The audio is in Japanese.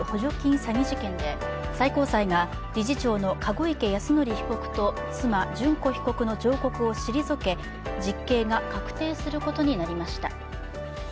詐欺事件で最高裁が理事長の籠池泰典被告と妻・諄子被告の上告を退け実刑が確定することになりました。